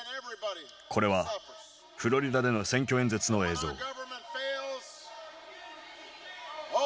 これはフロリダでの選挙演説の映像。